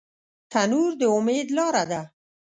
تنور د امید لاره ده